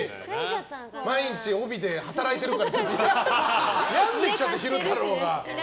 毎日、帯で働いてるから病んできちゃった、昼太郎が。